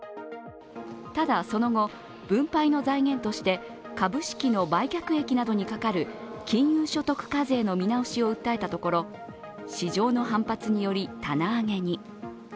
ただ、その後、分配の財源として株式の売却益などにかかる金融所得課税の見直しを訴えたところ市場の反発により棚上げに。